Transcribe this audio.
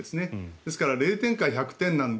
ですから０点か１００点なので